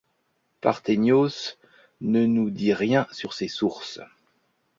Parthénios ne nous dit rien sur ses sources.